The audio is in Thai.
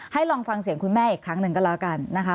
ลองฟังเสียงคุณแม่อีกครั้งหนึ่งก็แล้วกันนะคะ